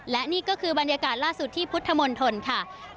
และนี่ก็คือบรรยากาศล่าสุดที่พุทธมณฑลค่ะ